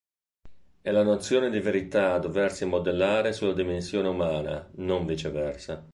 È la nozione di verità a doversi modellare sulla dimensione umana, non viceversa.